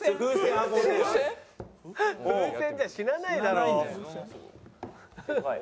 風船じゃ死なないだろ。